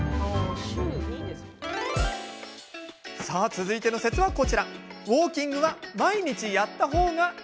続いての説は、こちら。